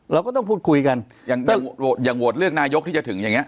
เราก็ต้องพูดคุยกันอย่างอย่างโหอย่างโหเรื่องนายกที่จะถึงอย่างเงี้ย